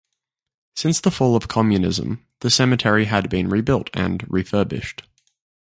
Since the fall of communism, the cemetery had been rebuilt and refurbished.